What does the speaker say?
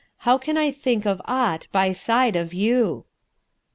* How can I think of aught by side of you?"